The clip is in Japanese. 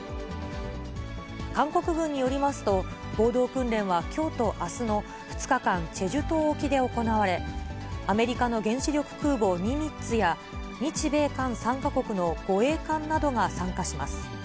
韓国軍によりますと、合同訓練は、きょうとあすの２日間、チェジュ島沖で行われ、アメリカの原子力空母、ニミッツや、日米韓３か国の護衛艦などが参加します。